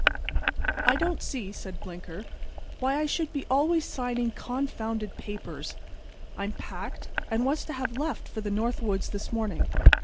"I don't see," said Blinker, "why I should be always signing confounded papers. I am packed, and was to have left for the North Woods this morning.